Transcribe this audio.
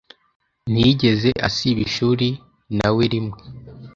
ntiyigeze asiba ishuri nawe rimwe.